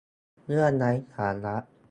เรื่องไร้สาระ